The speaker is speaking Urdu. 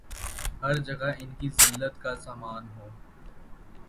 ہر جگہ ان کی زلت کا سامان ہو